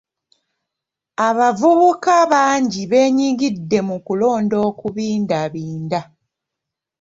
Abavubuka bangi beenyigidde mu kulonda okubindabinda.